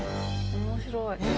面白い。